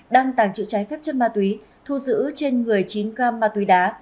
đang tàn trữ trái phép chất ma túy thu giữ trên người chín gram ma túy đá